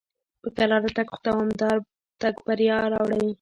په کراره تګ خو دوامدار تګ بریا راوړي.